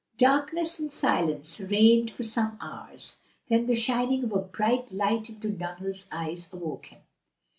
Darkness and silence reigned for some hours, then the shining of a bright light into Donald's eyes awoke him.